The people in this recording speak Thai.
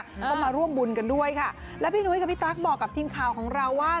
ก็มาร่วมบุญกันด้วยค่ะแล้วพี่นุ้ยกับพี่ตั๊กบอกกับทีมข่าวของเราว่า